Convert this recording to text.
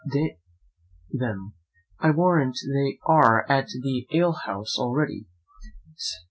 d n them, I warrant they are at the alehouse already!